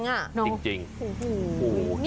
น้ำลายแจกรวดเลย